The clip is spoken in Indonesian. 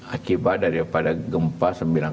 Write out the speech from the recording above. akibat daripada gempa sembilan